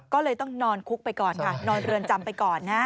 ก็เลยต้องนอนคุกไปก่อนค่ะนอนเรือนจำไปก่อนนะ